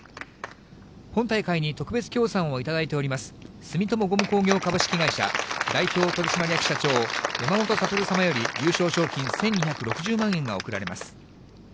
本大会に特別協賛をいただいております、住友ゴム工業株式会社代表取締役社長、山本悟様より、優勝賞金１２６０万円が贈られます。